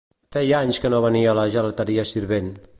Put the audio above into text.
Feia anys que no venia a la gelateria Sirvent.